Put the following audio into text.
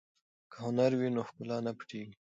که هنر وي نو ښکلا نه پټیږي.